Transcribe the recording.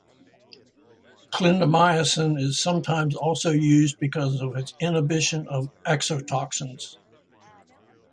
Clindamycin is sometimes also used because of its inhibition of exotoxins.